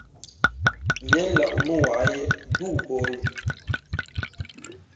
Jen la unuaj duboj.